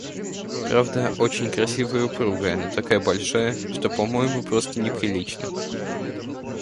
Правда, очень красивая и упругая, но такая большая, что, по-моему, просто неприлично.